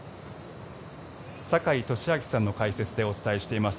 坂井利彰さんの解説でお伝えしています。